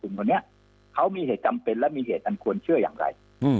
คนนี้เขามีเหตุจำเป็นและมีเหตุอันควรเชื่ออย่างไร